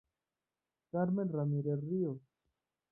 Carmen Ramírez Ríos.